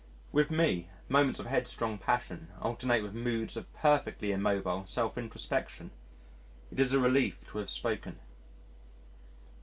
With me, moments of headstrong passion alternate with moods of perfectly immobile self introspection. It is a relief to have spoken.